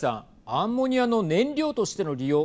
アンモニアの燃料としての利用